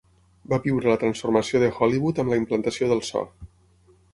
Va viure la transformació de Hollywood amb la implantació del so.